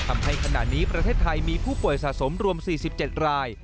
ทำให้ขณะนี้ประเทศไทยมีผู้ป่วยสะสมรวม๔๗ราย